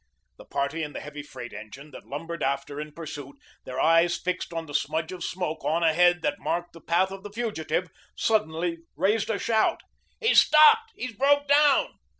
The party in the heavy freight engine, that lumbered after in pursuit, their eyes fixed on the smudge of smoke on ahead that marked the path of the fugitive, suddenly raised a shout. "He's stopped. He's broke down.